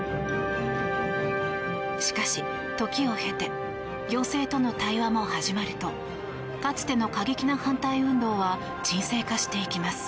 しかし、時を経て行政との対話も始まるとかつての過激な反対運動は沈静化していきます。